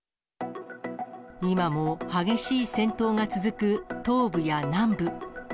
今も激しい戦闘が続く東部や南部。